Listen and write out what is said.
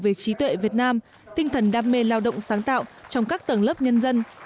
về trí tuệ việt nam tinh thần đam mê lao động sáng tạo trong các tầng lớp nhân dân